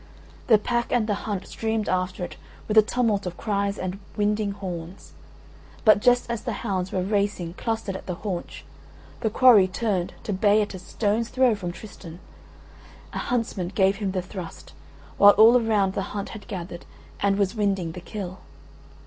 The pack and the hunt streamed after it with a tumult of cries and winding horns, but just as the hounds were racing clustered at the haunch, the quarry turned to bay at a stones throw from Tristan; a huntsman gave him the thrust, while all around the hunt had gathered and was winding the kill.